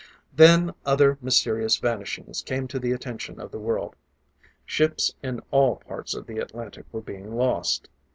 Then other mysterious vanishings came to the attention of the world. Ships in all parts of the Atlantic were being lost.